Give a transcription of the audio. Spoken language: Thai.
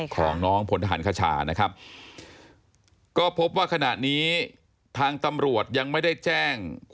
ของน้องพลทหารคชานะครับก็พบว่าขณะนี้ทางตำรวจยังไม่ได้แจ้ง